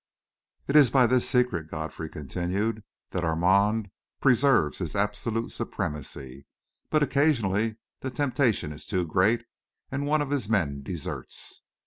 "It is by this secret," Godfrey continued, "that Armand preserves his absolute supremacy. But occasionally the temptation is too great, and one of his men deserts.